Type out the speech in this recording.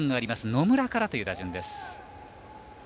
野村からという打順です。